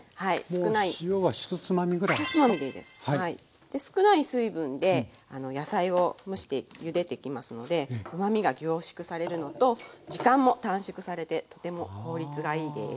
少ない水分で野菜を蒸してゆでていきますのでうまみが凝縮されるのと時間も短縮されてとても効率がいいです。